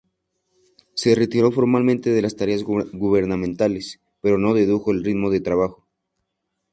Se retiró formalmente de las tareas gubernamentales, pero no redujo el ritmo de trabajo.